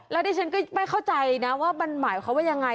แล้วดิฉันก็ไม่เข้าใจนะว่ามันหมายความว่ายังไง